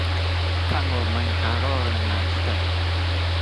看我們還漏了哪個